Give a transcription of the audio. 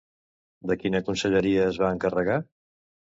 De quina conselleria es va encarregar?